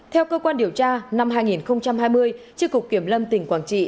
theo cơ quan điều tra năm hai nghìn hai mươi tri cục kiểm lâm tỉnh quảng trị